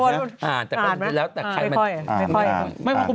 มันอ่านอีกไหมอ่านไหมอ่านไม่ค่อย